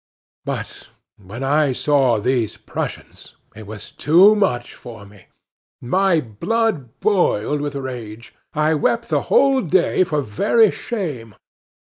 But when I saw these Prussians it was too much for me! My blood boiled with rage; I wept the whole day for very shame.